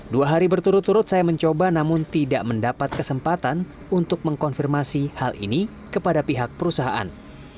dua hari berturut turut saya mencoba namun tidak mendapat kesempatan untuk mengkonfirmasi hal ini kepada pihak perusahaan